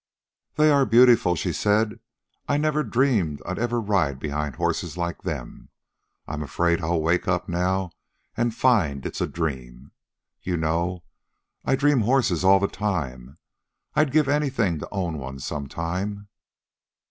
"They are beautiful," she said. "I never dreamed I'd ever ride behind horses like them. I'm afraid I'll wake up now and find it's a dream. You know, I dream horses all the time. I'd give anything to own one some time."